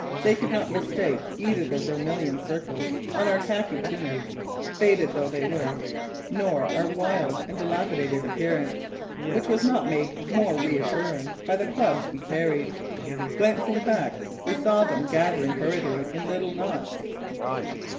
They could not mistake either the vermilion circles on our khaki tunics, faded though they were, nor our wild and dilapidated appearance, which was not made more reassuring by the clubs we carried. Glancing back, we saw them gathering hurriedly in little knots.